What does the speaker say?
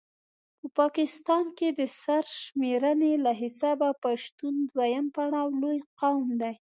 په پاکستان کې د سر شميرني له حسابه پښتون دویم پړاو لوي قام دی